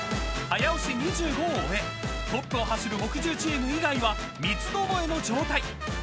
［早押し２５を終えトップを走る木１０チーム以外は三つどもえの状態］